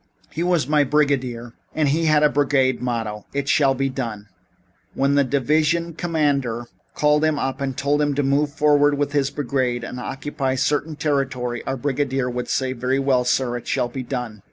"He was my brigadier, and he had a brigade motto: It shall be done. When the divisional commander called him up and told him to move forward with his brigade and occupy certain territory, our brigadier would say: 'Very well, sir. It shall be done.'